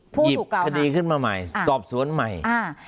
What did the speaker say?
พูดถูกกล่าวหยิบคดีขึ้นมาใหม่อ่าสอบสวนใหม่อ่า